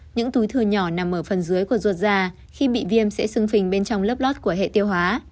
những túi thừa nhỏ nằm ở phần dưới của ruột già khi bị viêm sẽ xưng phình bên trong lớp lót của hệ tiêu hóa